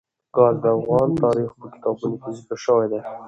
ګاز د افغان تاریخ په کتابونو کې ذکر شوی دي.